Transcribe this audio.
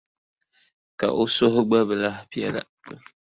Ka o suhu gba bi lahi piɛla.